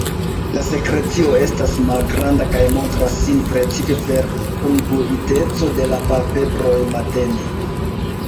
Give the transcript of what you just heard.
La sekrecio estas malgranda kaj montras sin precipe per kungluiteco de la palpebroj matene.